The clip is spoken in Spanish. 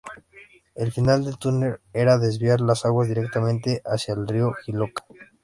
El fin del túnel era desviar las aguas directamente hacia el río Jiloca.